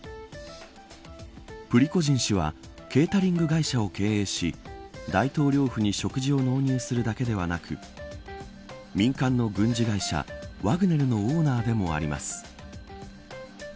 プリコジン氏はケータリング会社を経営し大統領府に食事を納入するだけではなく民間の軍事会社、ワグネルのオーナーでもあります。